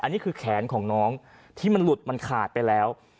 อันนี้คือแขนของน้องที่มันหลุดมันขาดไปแล้ว